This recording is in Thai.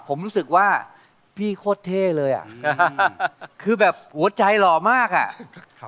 ผมรู้สึกว่าพี่โคตรเท่เลยอ่ะคือแบบหัวใจหล่อมากอ่ะ